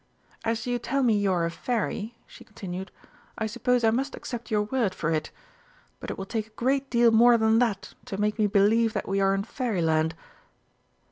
As you tell me you are a Fairy," she continued, "I suppose I must accept your word for it but it will take a great deal more than that to make me believe that we are in Fairyland."